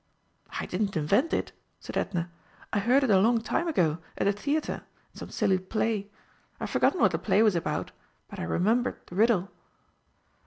"I didn't invent it," said Edna; "I heard it a long time ago at the Theatre in some silly play. I've forgotten what the play was about but I remembered the riddle."